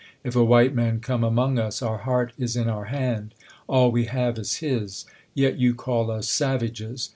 If a White Man come among us, our heart is in our hand ; all we have is his ; yet you call us savages